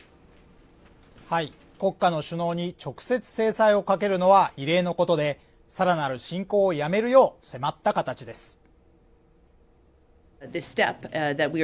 国家の首脳に直接制裁をかけるのは異例のことでさらなる侵攻を止めるよう迫った形です